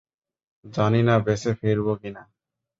জানি না বেঁচে ফিরব কি না।